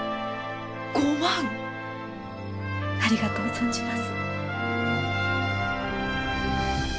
ありがとう存じます。